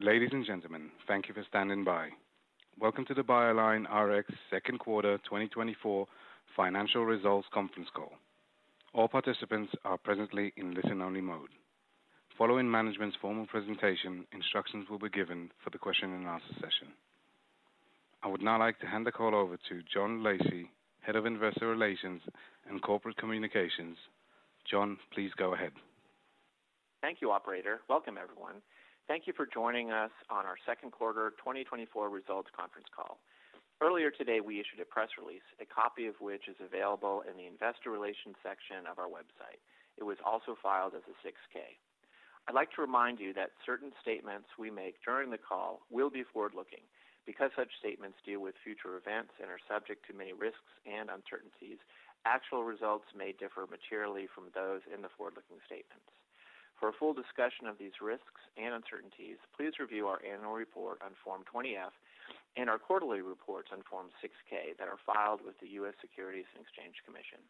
Ladies and gentlemen, thank you for standing by. Welcome to the BioLineRx second quarter 2024 financial results conference call. All participants are presently in listen-only mode. Following management's formal presentation, instructions will be given for the question and answer session. I would now like to hand the call over to John Lacey, Head of Investor Relations and Corporate Communications. John, please go ahead. Thank you, operator. Welcome, everyone. Thank you for joining us on our second quarter 2024 results conference call. Earlier today, we issued a press release, a copy of which is available in the Investor Relations section of our website. It was also filed as a 6-K. I'd like to remind you that certain statements we make during the call will be forward-looking. Because such statements deal with future events and are subject to many risks and uncertainties, actual results may differ materially from those in the forward-looking statements. For a full discussion of these risks and uncertainties, please review our annual report on Form 20-F and our quarterly reports on Form 6-K that are filed with the U.S. Securities and Exchange Commission.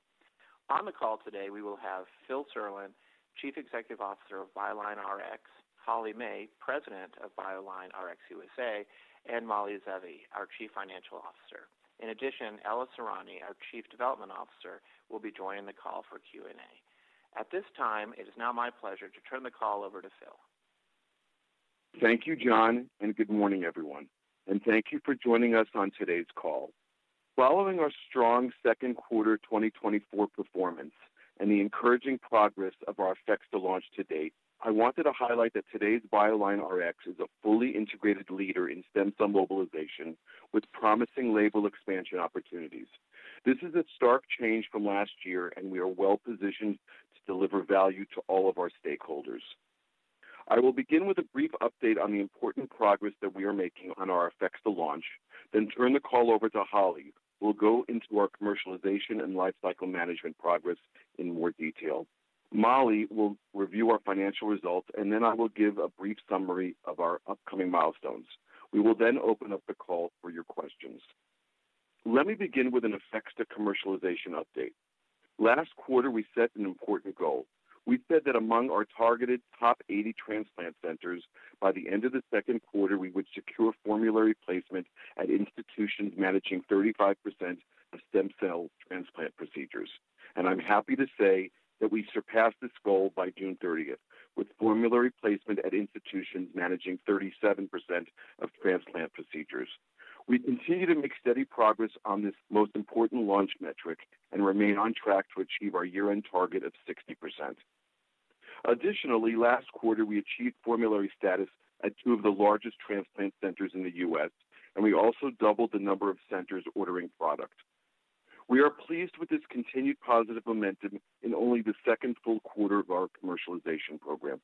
On the call today, we will have Phil Serlin, Chief Executive Officer of BioLineRx, Holly May, President of BioLineRx USA, and Mali Zeevi, our Chief Financial Officer. In addition, Ella Sorani, our Chief Development Officer, will be joining the call for Q&A. At this time, it is now my pleasure to turn the call over to Phil. Thank you, John, and good morning, everyone, and thank you for joining us on today's call. Following our strong second quarter 2024 performance and the encouraging progress of our APHEXDA launch to date, I wanted to highlight that today's BioLineRx is a fully integrated leader in stem cell mobilization with promising label expansion opportunities. This is a stark change from last year, and we are well-positioned to deliver value to all of our stakeholders. I will begin with a brief update on the important progress that we are making on our APHEXDA launch, then turn the call over to Holly, who will go into our commercialization and lifecycle management progress in more detail. Mali will review our financial results, and then I will give a brief summary of our upcoming milestones. We will then open up the call for your questions. Let me begin with an APHEXDA commercialization update. Last quarter, we set an important goal. We said that among our targeted top 80 transplant centers, by the end of the second quarter, we would secure formulary placement at institutions managing 35% of stem cell transplant procedures. I'm happy to say that we surpassed this goal by June 30th, with formulary placement at institutions managing 37% of transplant procedures. We continue to make steady progress on this most important launch metric and remain on track to achieve our year-end target of 60%. Additionally, last quarter, we achieved formulary status at two of the largest transplant centers in the U.S., and we also doubled the number of centers ordering product. We are pleased with this continued positive momentum in only the second full quarter of our commercialization program.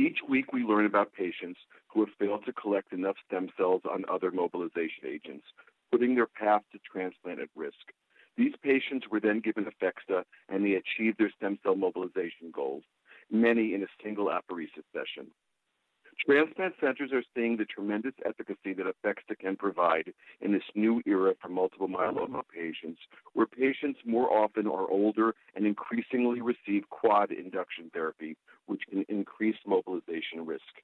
Each week, we learn about patients who have failed to collect enough stem cells on other mobilization agents, putting their path to transplant at risk. These patients were then given APHEXDA, and they achieved their stem cell mobilization goals, many in a single apheresis session. Transplant centers are seeing the tremendous efficacy that APHEXDA can provide in this new era for multiple myeloma patients, where patients more often are older and increasingly receive quad induction therapy, which can increase mobilization risk.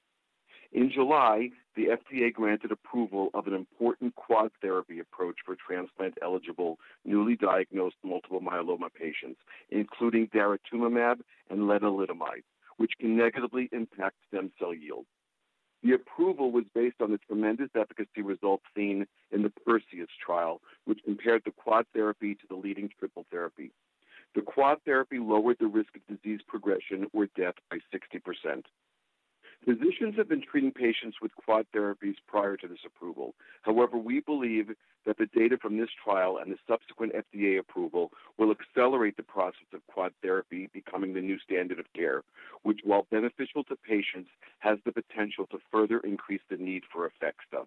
In July, the FDA granted approval of an important quad therapy approach for transplant-eligible, newly diagnosed multiple myeloma patients, including daratumumab and lenalidomide, which can negatively impact stem cell yield. The approval was based on the tremendous efficacy results seen in the PERSEUS trial, which compared the quad therapy to the leading triple therapy. The quad therapy lowered the risk of disease progression or death by 60%. Physicians have been treating patients with quad therapies prior to this approval. However, we believe that the data from this trial and the subsequent FDA approval will accelerate the process of quad therapy becoming the new standard of care, which, while beneficial to patients, has the potential to further increase the need for APHEXDA.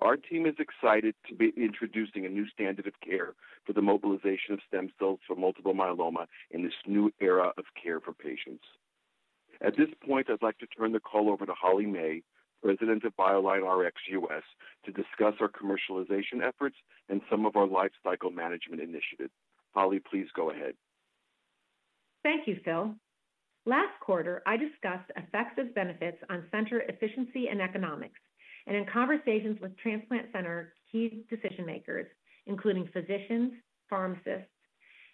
Our team is excited to be introducing a new standard of care for the mobilization of stem cells for multiple myeloma in this new era of care for patients. At this point, I'd like to turn the call over to Holly May, President of BioLineRx USA, to discuss our commercialization efforts and some of our lifecycle management initiatives. Holly, please go ahead. Thank you, Phil. Last quarter, I discussed APHEXDA's benefits on center efficiency and economics, and in conversations with transplant center key decision-makers, including physicians, pharmacists,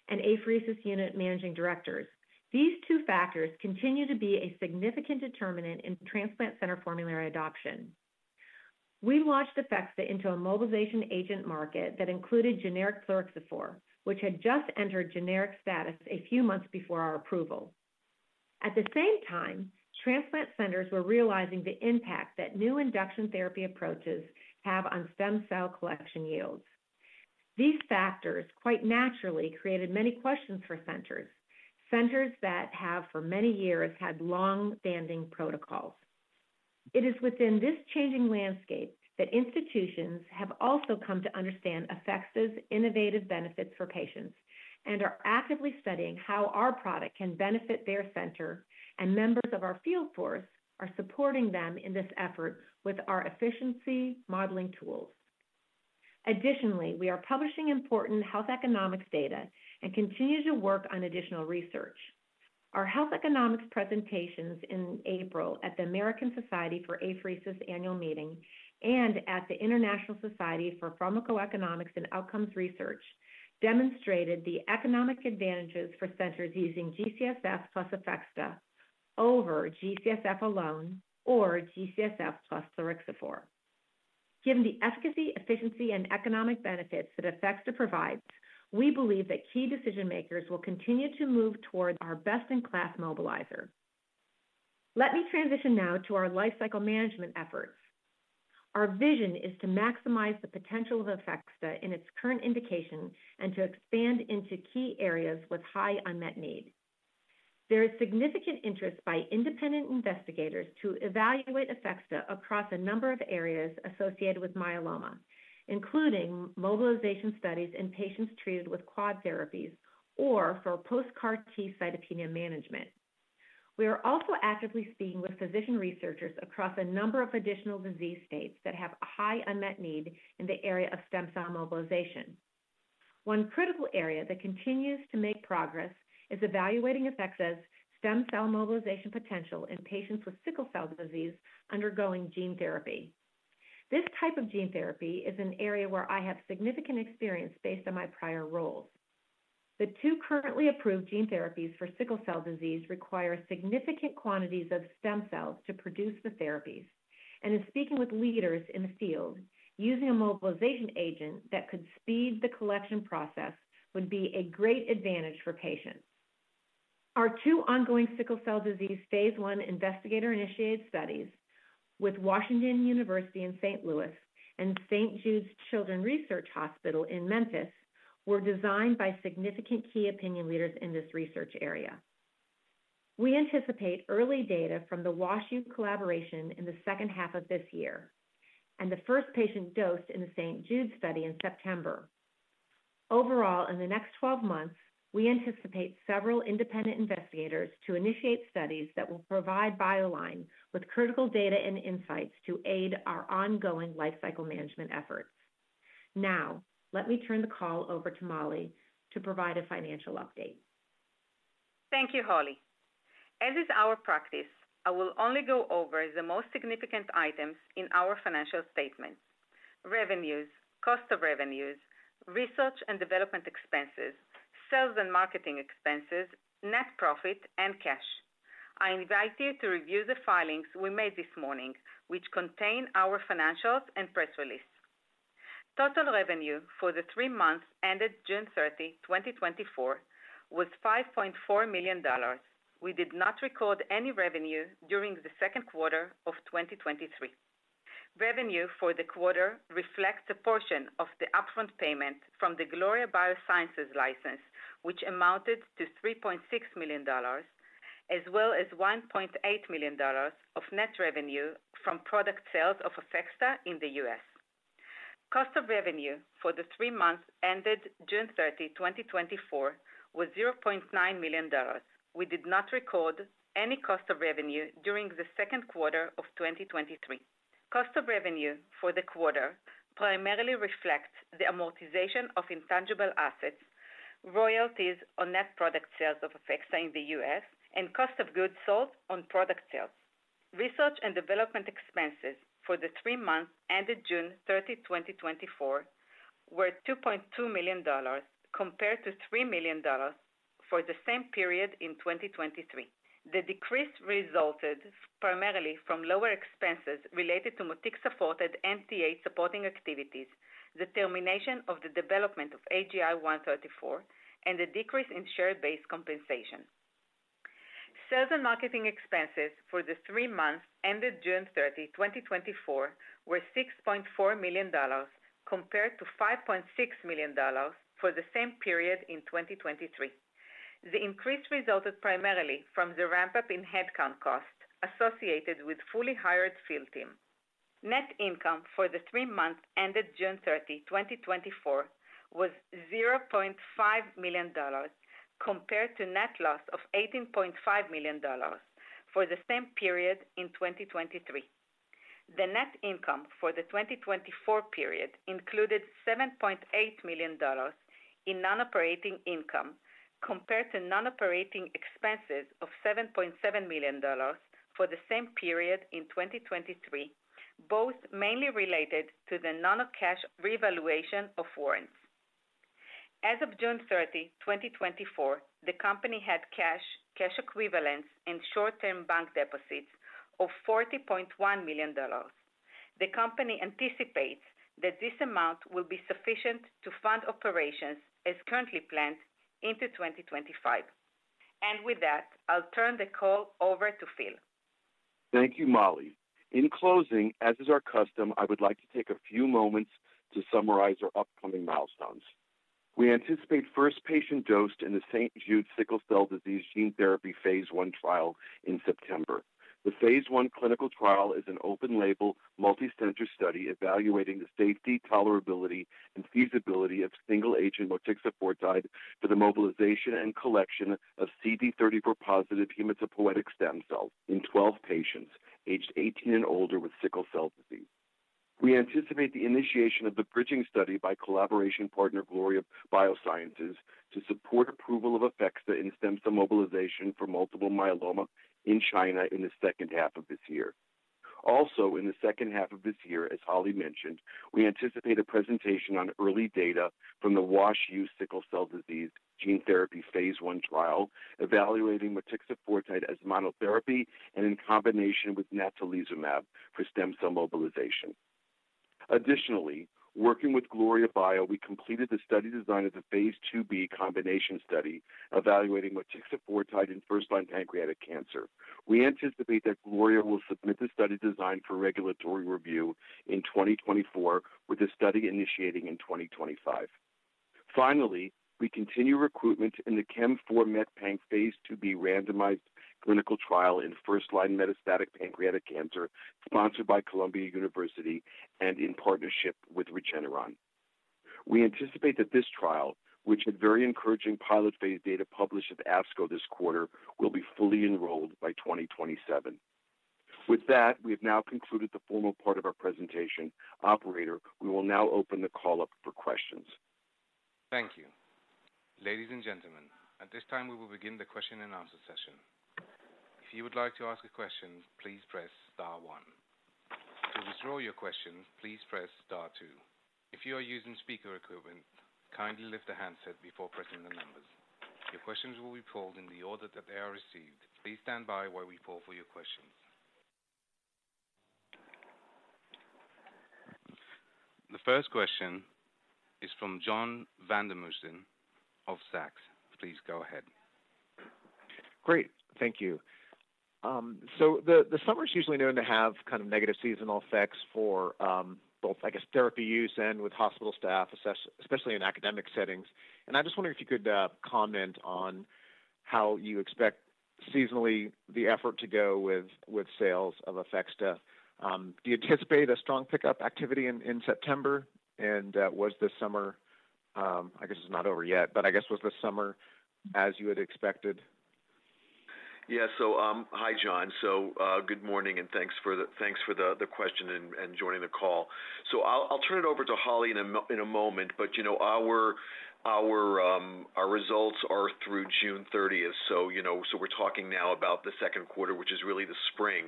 and apheresis unit managing directors, these two factors continue to be a significant determinant in transplant center formulary adoption. We launched APHEXDA into a mobilization agent market that included generic plerixafor, which had just entered generic status a few months before our approval. At the same time, transplant centers were realizing the impact that new induction therapy approaches have on stem cell collection yields. These factors quite naturally created many questions for centers, centers that have for many years had long-standing protocols. It is within this changing landscape that institutions have also come to understand APHEXDA's innovative benefits for patients and are actively studying how our product can benefit their center, and members of our field force are supporting them in this effort with our efficiency modeling tools. Additionally, we are publishing important health economics data and continue to work on additional research. Our health economics presentations in April at the American Society for Apheresis Annual Meeting and at the International Society for Pharmacoeconomics and Outcomes Research demonstrated the economic advantages for centers using G-CSF plus APHEXDA over G-CSF alone or G-CSF plus plerixafor. Given the efficacy, efficiency and economic benefits that APHEXDA provides, we believe that key decision-makers will continue to move toward our best-in-class mobilizer. Let me transition now to our lifecycle management efforts. Our vision is to maximize the potential of APHEXDA in its current indication and to expand into key areas with high unmet need. There is significant interest by independent investigators to evaluate APHEXDA across a number of areas associated with myeloma, including mobilization studies in patients treated with quad therapies or for post-CAR T cytopenia management. We are also actively speaking with physician researchers across a number of additional disease states that have a high unmet need in the area of stem cell mobilization. One critical area that continues to make progress is evaluating APHEXDA's stem cell mobilization potential in patients with sickle cell disease undergoing gene therapy. This type of gene therapy is an area where I have significant experience based on my prior roles. The two currently approved gene therapies for sickle cell disease require significant quantities of stem cells to produce the therapies, and in speaking with leaders in the field, using a mobilization agent that could speed the collection process would be a great advantage for patients. Our two ongoing sickle cell disease phase I investigator-initiated studies with Washington University in St. Louis and St. Jude Children's Research Hospital in Memphis were designed by significant key opinion leaders in this research area. We anticipate early data from the Wash U collaboration in the second half of this year, and the first patient dosed in the St. Jude's study in September. Overall, in the next 12 months, we anticipate several independent investigators to initiate studies that will provide BioLine with critical data and insights to aid our ongoing lifecycle management efforts. Now, let me turn the call over to Mali to provide a financial update. Thank you, Holly. As is our practice, I will only go over the most significant items in our financial statements: revenues, cost of revenues, research and development expenses, sales and marketing expenses, net profit and cash. I invite you to review the filings we made this morning, which contain our financials and press release. Total revenue for the three months ended June 30, 2024, was $5.4 million. We did not record any revenue during the second quarter of 2023. Revenue for the quarter reflects a portion of the upfront payment from the Gloria Biosciences license, which amounted to $3.6 million, as well as $1.8 million of net revenue from product sales of APHEXDA in the U.S. Cost of revenue for the three months ended June 30, 2024, was $0.9 million. We did not record any cost of revenue during the second quarter of 2023. Cost of revenue for the quarter primarily reflects the amortization of intangible assets, royalties on net product sales of APHEXDA in the U.S., and cost of goods sold on product sales. Research and development expenses for the three months ended June 30, 2024, were $2.2 million compared to $3 million for the same period in 2023. The decrease resulted primarily from lower expenses related to motixafortide NDA supporting activities, the termination of the development of AGI-134, and the decrease in share-based compensation. Sales and marketing expenses for the three months ended June 30, 2024, were $6.4 million compared to $5.6 million for the same period in 2023. The increase resulted primarily from the ramp-up in headcount costs associated with fully hired field team. Net income for the three months ended June 30, 2024, was $0.5 million compared to net loss of $18.5 million for the same period in 2023. The net income for the 2024 period included $7.8 million in non-operating income, compared to non-operating expenses of $7.7 million for the same period in 2023, both mainly related to the non-cash revaluation of warrants. As of June 30, 2024, the company had cash, cash equivalents and short-term bank deposits of $40.1 million. The company anticipates that this amount will be sufficient to fund operations as currently planned into 2025. And with that, I'll turn the call over to Phil. Thank you, Mali. In closing, as is our custom, I would like to take a few moments to summarize our upcoming milestones. We anticipate first patient dosed in the St. Jude Sickle Cell Disease Gene Therapy phase I trial in September. The phase I clinical trial is an open-label, multicenter study evaluating the safety, tolerability, and feasibility of single-agent motixafortide for the mobilization and collection of CD34+ hematopoietic stem cells in 12 patients aged 18 and older with sickle cell disease. We anticipate the initiation of the bridging study by collaboration partner Gloria Biosciences, to support approval of APHEXDA in stem cell mobilization for multiple myeloma in China in the second half of this year. Also, in the second half of this year, as Holly mentioned, we anticipate a presentation on early data from the Wash U sickle cell disease gene therapy phase 1 trial, evaluating motixafortide as monotherapy and in combination with natalizumab for stem cell mobilization. Additionally, working with Gloria Bio, we completed the study design of the phase II-b combination study, evaluating motixafortide in first-line pancreatic cancer. We anticipate that Gloria will submit the study design for regulatory review in 2024, with the study initiating in 2025. Finally, we continue recruitment in the CheMo4METPANC phase II-b randomized clinical trial in first-line metastatic pancreatic cancer, sponsored by Columbia University and in partnership with Regeneron. We anticipate that this trial, which had very encouraging pilot phase data published at ASCO this quarter, will be fully enrolled by 2027. With that, we have now concluded the formal part of our presentation. Operator, we will now open the call up for questions. Thank you. Ladies and gentlemen, at this time, we will begin the question and answer session. If you would like to ask a question, please press star one. To withdraw your question, please press star two. If you are using speaker equipment, kindly lift the handset before pressing the numbers. Your questions will be pulled in the order that they are received. Please stand by while we call for your questions. The first question is from John Vandermosten of Zacks. Please go ahead. Great. Thank you. So the summer is usually known to have kind of negative seasonal effects for both, I guess, therapy use and with hospital staff, especially in academic settings. And I just wonder if you could comment on how you expect seasonally the effort to go with sales of APHEXDA. Do you anticipate a strong pickup activity in September? And was this summer, I guess it's not over yet, but I guess, was this summer as you had expected? Yeah. So, hi, John. So, good morning, and thanks for the question and joining the call. So I'll turn it over to Holly in a moment, but, you know, our results are through June thirtieth. So, you know, so we're talking now about the second quarter, which is really the spring.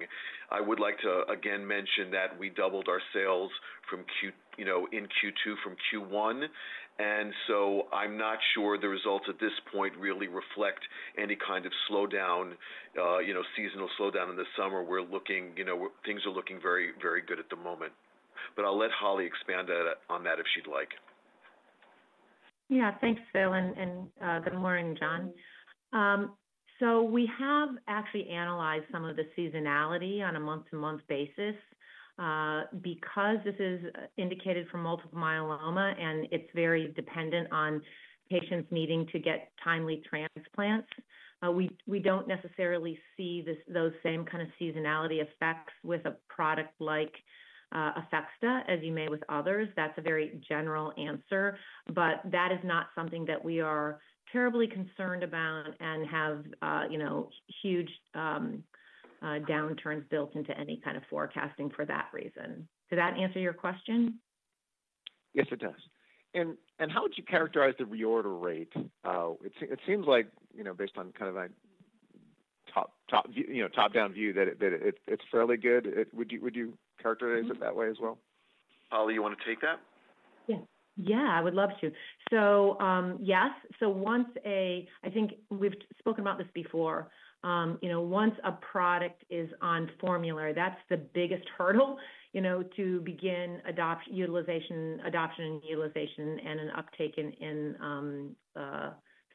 I would like to again mention that we doubled our sales from Q1 in Q2, and so I'm not sure the results at this point really reflect any kind of slowdown, you know, seasonal slowdown in the summer. We're looking. You know, things are looking very, very good at the moment. But I'll let Holly expand on that if she'd like. Yeah. Thanks, Phil, and good morning, John. So we have actually analyzed some of the seasonality on a month-to-month basis, because this is indicated for multiple myeloma, and it's very dependent on patients needing to get timely transplants. We don't necessarily see those same kind of seasonality effects with a product like APHEXDA, as you may with others. That's a very general answer, but that is not something that we are terribly concerned about and have, you know, huge downturns built into any kind of forecasting for that reason. Did that answer your question? Yes, it does. And how would you characterize the reorder rate? It seems like, you know, based on kind of a top, you know, top-down view, that it, it's fairly good. Would you characterize it that way as well? Holly, you want to take that? Yeah. Yeah, I would love to. So, yes, so once a product is on formulary, that's the biggest hurdle, you know, to begin adopt utilization, adoption, utilization, and an uptake in, in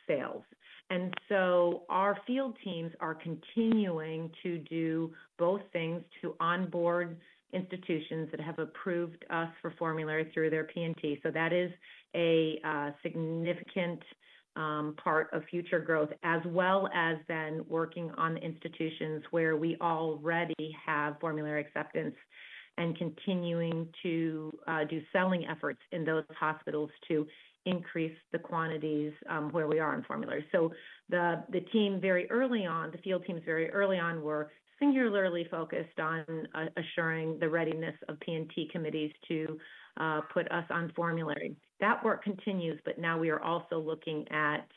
sales. And so our field teams are continuing to do both things to onboard institutions that have approved us for formulary through their P&T. So that is a significant part of future growth, as well as then working on institutions where we already have formulary acceptance and continuing to do selling efforts in those hospitals to increase the quantities, where we are on formulary. So the team, very early on, the field teams very early on, were singularly focused on assuring the readiness of P&T committees to put us on formulary. That work continues, but now we are also looking at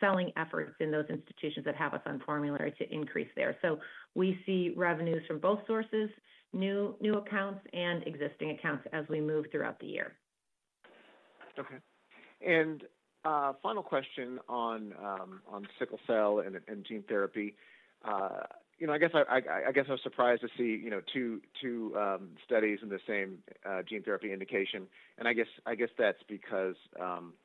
selling efforts in those institutions that have us on formulary to increase there. So we see revenues from both sources, new accounts and existing accounts as we move throughout the year. Okay. And, final question on, on sickle cell and, and gene therapy. You know, I guess I, I, I guess I was surprised to see, you know, two, two, studies in the same, gene therapy indication. And I guess, I guess that's because,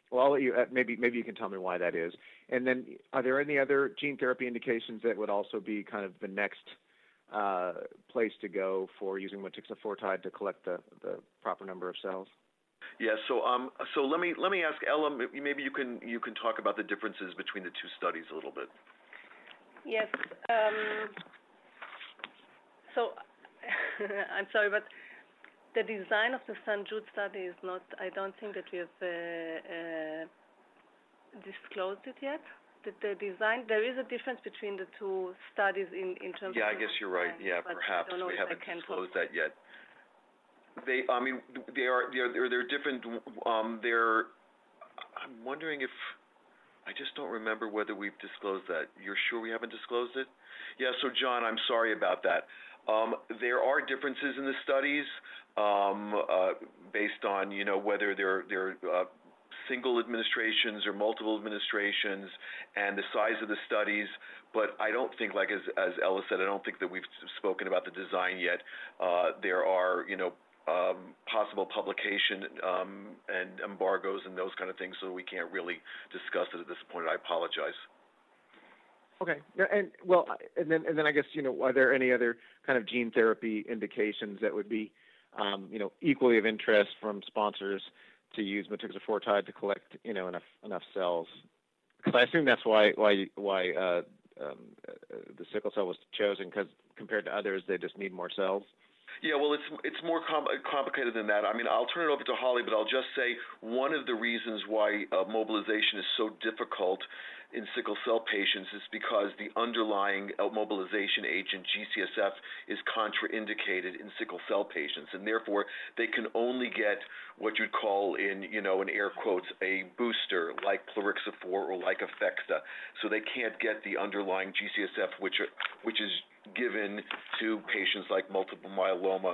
well, maybe, maybe you can tell me why that is. And then are there any other gene therapy indications that would also be kind of the next, place to go for using motixafortide to collect the, the proper number of cells? Yeah. So, let me ask Ella, maybe you can talk about the differences between the two studies a little bit. Yes. So I'm sorry, but the design of the St. Jude study is not. I don't think that we have disclosed it yet, that the design, there is a difference between the two studies in terms of- Yeah, I guess you're right. Yeah, perhaps we haven't disclosed that yet. They, I mean, they are, they're different. I'm wondering if I just don't remember whether we've disclosed that. You're sure we haven't disclosed it? Yeah. So, John, I'm sorry about that. There are differences in the studies based on, you know, whether they're single administrations or multiple administrations and the size of the studies. But I don't think, like, as Ella said, I don't think that we've spoken about the design yet. There are, you know, possible publication and embargoes and those kind of things, so we can't really discuss it at this point. I apologize. Okay. And then I guess, you know, are there any other kind of gene therapy indications that would be, you know, equally of interest from sponsors to use motixafortide to collect, you know, enough cells? Because I assume that's why the sickle cell was chosen, 'cause compared to others, they just need more cells. Yeah, well, it's more complicated than that. I mean, I'll turn it over to Holly, but I'll just say one of the reasons why mobilization is so difficult in sickle cell patients is because the underlying mobilization agent, G-CSF, is contraindicated in sickle cell patients, and therefore, they can only get what you'd call, you know, in air quotes, a booster, like plerixafor or like APHEXDA. So they can't get the underlying G-CSF, which is given to patients like multiple myeloma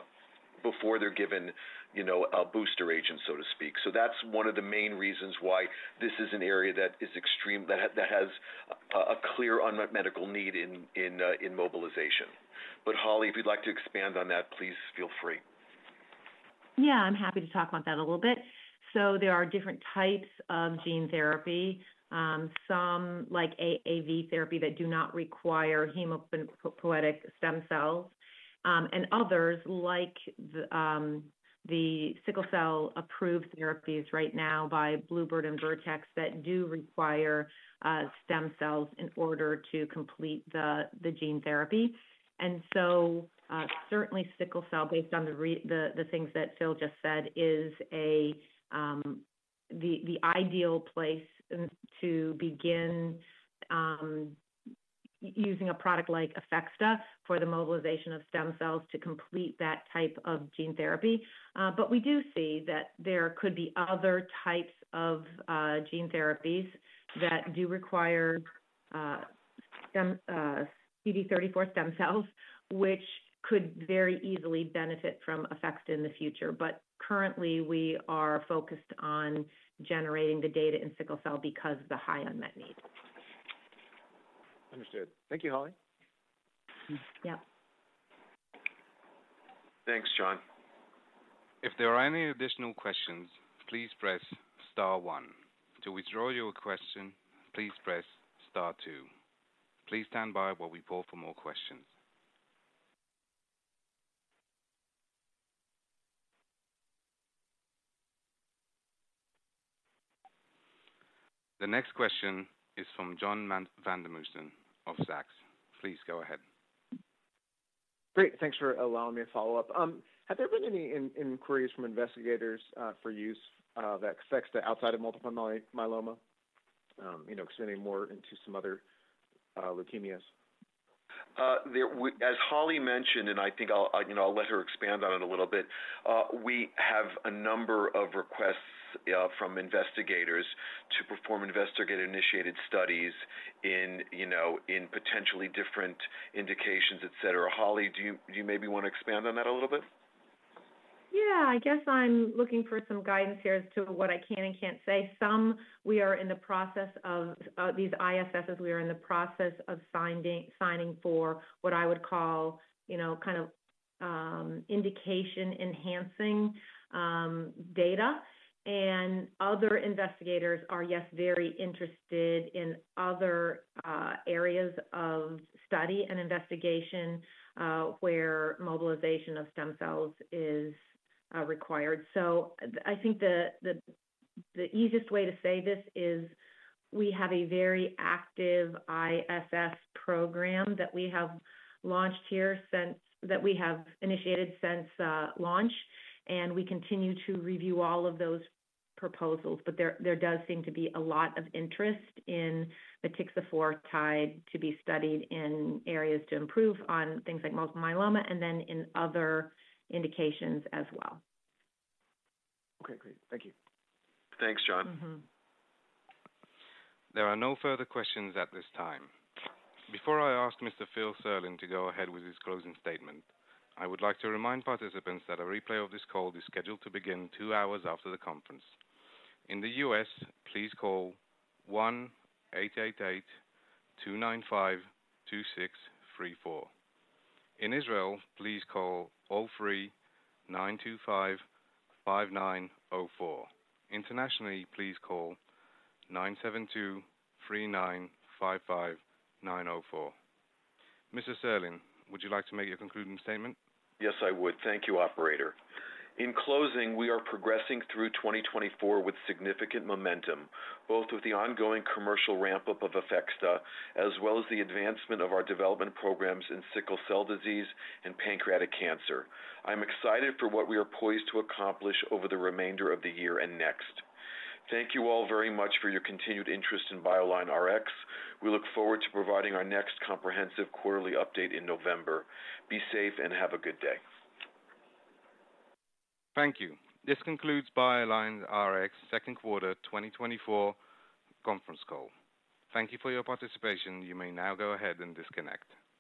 before they're given, you know, a booster agent, so to speak. So that's one of the main reasons why this is an area that is extreme, that has a clear unmet medical need in mobilization. But, Holly, if you'd like to expand on that, please feel free. Yeah, I'm happy to talk about that a little bit. So there are different types of gene therapy. Some like AAV therapy that do not require hematopoietic stem cells, and others, like the sickle cell-approved therapies right now by Bluebird and Vertex, that do require stem cells in order to complete the gene therapy. And so, certainly sickle cell, based on the things that Phil just said, is the ideal place to begin using a product like APHEXDA for the mobilization of stem cells to complete that type of gene therapy. But we do see that there could be other types of gene therapies that do require stem CD34 stem cells, which could very easily benefit from APHEXDA in the future. But currently, we are focused on generating the data in sickle cell because of the high unmet need. Understood. Thank you, Holly. Yep. Thanks, John. If there are any additional questions, please press star one. To withdraw your question, please press star two. Please stand by while we pull for more questions. The next question is from John Vandermosten of Zacks. Please go ahead. Great. Thanks for allowing me to follow up. Have there been any inquiries from investigators for use of APHEXDA outside of multiple myeloma, you know, extending more into some other leukemias? As Holly mentioned, and I think I'll, I, you know, I'll let her expand on it a little bit. We have a number of requests from investigators to perform investigator-initiated studies in, you know, in potentially different indications, et cetera. Holly, do you, do you maybe want to expand on that a little bit? Yeah. I guess I'm looking for some guidance here as to what I can and can't say. So we are in the process of these ISSs, we are in the process of signing, signing for what I would call, you know, kind of, indication enhancing data. And other investigators are, yes, very interested in other areas of study and investigation where mobilization of stem cells is required. So I think the easiest way to say this is we have a very active ISS program that we have launched here since that we have initiated since launch, and we continue to review all of those proposals. But there does seem to be a lot of interest in motixafortide to be studied in areas to improve on things like multiple myeloma and then in other indications as well. Okay, great. Thank you. Thanks, John. Mm-hmm. There are no further questions at this time. Before I ask Mr. Phil Serlin to go ahead with his closing statement, I would like to remind participants that a replay of this call is scheduled to begin two hours after the conference. In the U.S., please call 1-888-295-2634. In Israel, please call 03-925-5904. Internationally, please call 972-3-925-5904. Mr. Serlin, would you like to make your concluding statement? Yes, I would. Thank you, operator. In closing, we are progressing through 2024 with significant momentum, both with the ongoing commercial ramp-up of APHEXDA, as well as the advancement of our development programs in sickle cell disease and pancreatic cancer. I'm excited for what we are poised to accomplish over the remainder of the year and next. Thank you all very much for your continued interest in BioLineRx. We look forward to providing our next comprehensive quarterly update in November. Be safe and have a good day. Thank you. This concludes BioLineRx's second quarter 2024 conference call. Thank you for your participation. You may now go ahead and disconnect.